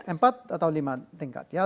empat atau lima tingkat ya